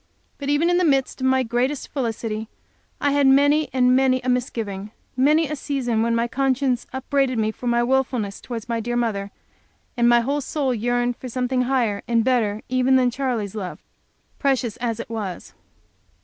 But even in the midst of my greatest felicity I had many and many a misgiving; many a season when my conscience upbraided me for my willfulness towards my dear mother, and my whole soul yearned for something higher and better even than Charley's love, precious as it was.